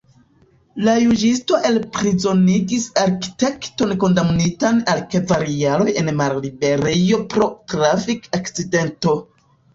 La juĝisto elprizonigis arkitekton kondamnitan al kvar jaroj en malliberejo pro trafik-akcidento.